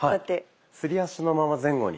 すり足のまま前後に。